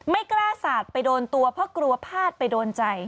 ไม่กล้าสาดไปโดนตัวเพราะกลัวพาดไปโดนใจ